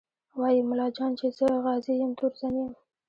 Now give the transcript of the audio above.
وايي ملا جان چې زه غازي یم تورزن یم